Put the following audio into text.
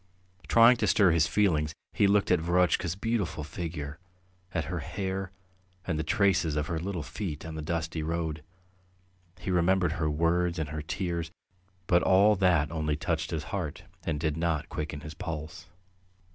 Trying to stir his feelings, he looked at Verotchka's beautiful figure, at her hair and the traces of her little feet on the dusty road; he remembered her words and her tears, but all that only touched his heart and did not quicken his pulse.